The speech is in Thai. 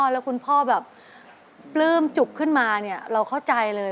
แล้วคุณพ่อแบบปลื้มจุกขึ้นมาเนี่ยเราเข้าใจเลย